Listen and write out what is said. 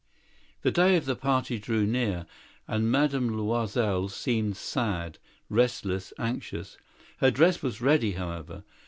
The day of the ball drew near and Madame Loisel seemed sad, uneasy, anxious. Her frock was ready, however.